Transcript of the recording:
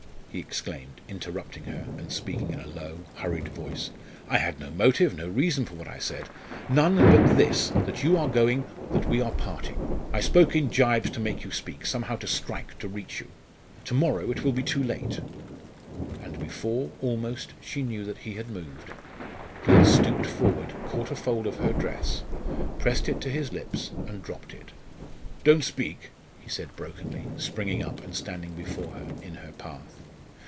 he exclaimed, interrupting her, and speaking in a low, hurried voice. "I had no motive, no reason for what I said none but this, that you are going that we are parting. I spoke in gibes to make you speak somehow to strike to reach you. To morrow it will be too late!" And before, almost, she knew that he had moved, he had stooped forward, caught a fold of her dress, pressed it to his lips, and dropped it. "Don't speak," he said brokenly, springing up, and standing before her in her path.